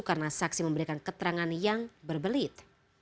karena saksi memberikan keterangan yang berbelit